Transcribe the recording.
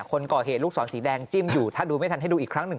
คนก่อเหตุลูกศรสีแดงจิ้มอยู่ถ้าดูไม่ทันให้ดูอีกครั้งหนึ่ง